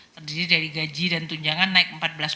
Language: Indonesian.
terdiri dari gaji dan tunjangan naik rp empat belas